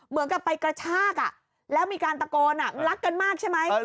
เหมือนกับไปกระชากแล้วมีการตะโกนรักกันมากใช่ไหม